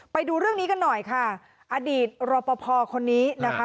ไปดูเรื่องนี้กันหน่อยค่ะอดีตรอปภคนนี้นะคะ